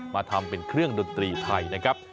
มาทำเป็นเครื่องดนตรีไทยนะครับ